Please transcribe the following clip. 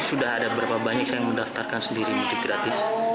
sudah ada berapa banyak yang mendaftarkan sendiri mudik gratis